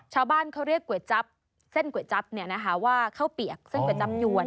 ชาวบ้านเขาเรียกก๋วยจั๊บเส้นก๋วยจั๊บว่าข้าวเปียกเส้นก๋วยจับยวน